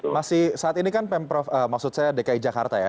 masih saat ini kan pemprov maksud saya dki jakarta ya